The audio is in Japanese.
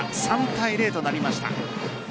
３対０となりました。